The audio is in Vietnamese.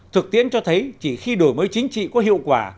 thực tiễn cho thấy chỉ khi đổi mới chính trị có hiệu quả